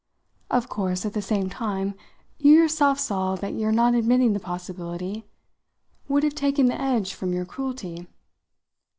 "Of course, at the same time, you yourself saw that your not admitting the possibility would have taken the edge from your cruelty.